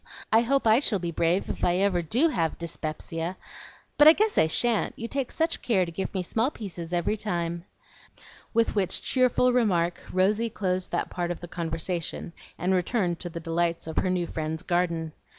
I hope I shall be brave if I ever DO have 'spepsia; but I guess I shan't, you take such care to give me small pieces every time." With which cheerful remark Rosy closed that part of the conversation and returned to the delights of her new friend's garden.